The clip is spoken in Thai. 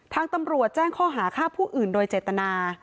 ทางตำรวจแจ้งข้อหาฆ่าผู้อื่นโดยเจตนา